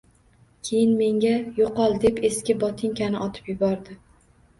Keyin menga “Yo‘qol”, deb eski botinkani otib yubordi